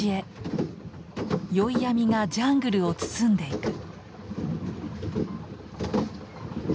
宵闇がジャングルを包んでいく。